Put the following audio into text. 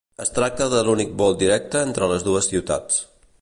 Es tracta de l'únic vol directe entre les dues ciutats.